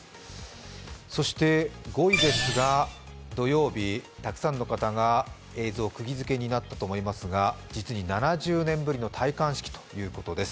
そして５位ですが、土曜日、たくさんの方が映像、クギづけになったと思いますが実に７０年ぶりの戴冠式ということです。